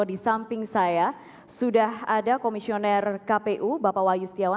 di samping saya sudah ada komisioner kpu bapak wayu setiawan